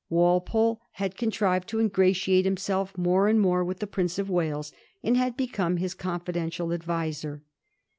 Walpole had contrived to ingratiate himself more and more with the Prince of Wales, and had become his confidential adviser.